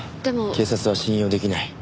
警察は信用できない。